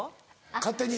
勝手に？